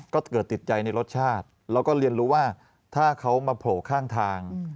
ก็เกิดติดใจในรสชาติแล้วก็เรียนรู้ว่าถ้าเขามาโผล่ข้างทาง